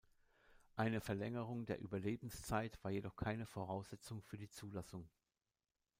Eine Verlängerung der Überlebenszeit war jedoch keine Voraussetzung für die Zulassung.